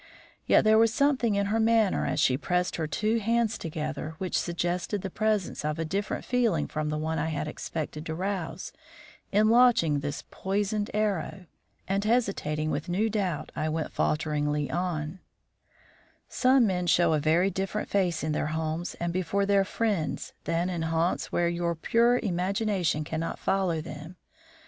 Yet there was something in her manner as she pressed her two hands together which suggested the presence of a different feeling from the one I had expected to rouse in launching this poisoned arrow; and, hesitating with new doubt, I went falteringly on: "Some men show a very different face in their homes and before their friends than in haunts where your pure imagination cannot follow them.